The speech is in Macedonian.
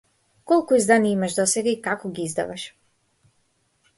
Колку изданија имаш досега и како ги издаваш?